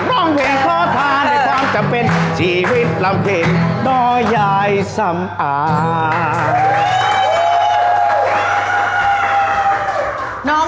ร้องเพลงขอทานในความจำเป็นชีวิตลำเพ็ญต่อยายสำอาง